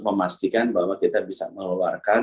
memastikan bahwa kita bisa mengeluarkan